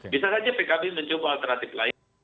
bisa saja pkb mencoba alternatif lain